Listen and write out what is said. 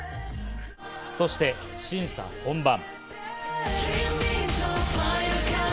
そして審査本番。